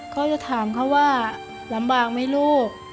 เขาจะถามเขาว่าลำบากไหมลูก